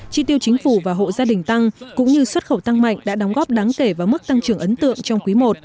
chi tiêu chính phủ và hộ gia đình tăng cũng như xuất khẩu tăng mạnh đã đóng góp đáng kể vào mức tăng trưởng ấn tượng trong quý i